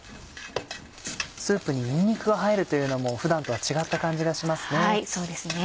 スープににんにくが入るというのも普段とは違った感じがしますね。